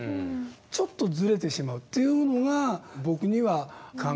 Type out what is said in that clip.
ちょっとずれてしまうというのが僕には考えられたんですね。